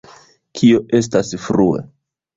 Kio estas »frue«?